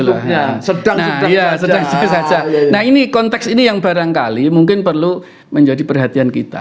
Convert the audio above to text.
nah sedang saja nah ini konteks ini yang barangkali mungkin perlu menjadi perhatian kita